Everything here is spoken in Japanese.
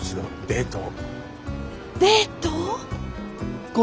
デート。